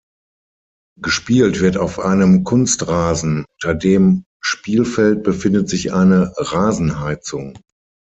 Gespielt wird auf einem Kunstrasen, unter dem Spielfeld befindet sich eine Rasenheizung.